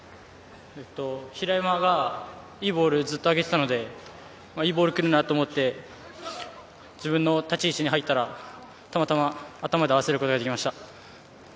平山がいいボールをずっと上げていたので、いいボールが来るなと思って、自分の立ち位置に入ったら、たまたま頭で合わせることができました。